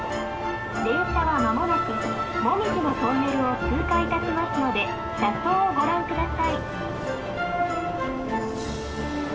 電車は間もなくもみじのトンネルを通過いたしますので車窓をご覧下さい」。